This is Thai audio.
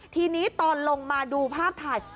ทีนี้ตอนลงมาดูภาพถ่าย